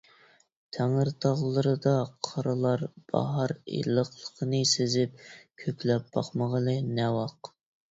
تەڭرىتاغلىرىدا قارلار باھار ئىللىقلىقنى سېزىپ كۆكلەپ باقمىغىلى نە ۋاق؟ !